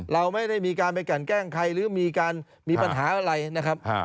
เราไม่ได้มีการไปแก่งใครหรือมีปัญหาอะไรนะครับ